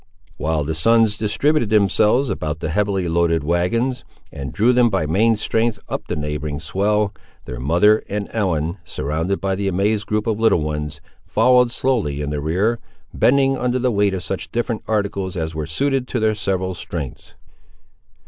While the sons distributed themselves about the heavily loaded wagons, and drew them by main strength up the neighbouring swell, their mother and Ellen, surrounded by the amazed group of little ones, followed slowly in the rear, bending under the weight of such different articles as were suited to their several strengths.